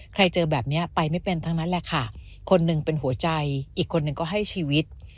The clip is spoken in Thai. เจอแบบนี้ไปไม่เป็นทั้งนั้นแหละค่ะคนหนึ่งเป็นหัวใจอีกคนนึงก็ให้ชีวิต